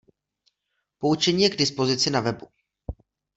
Poučení je k dispozici na webu.